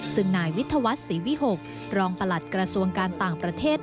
ซึ่งนายวิทยาวัฒน์ศรีวิหกรองประหลัดกระทรวงการต่างประเทศ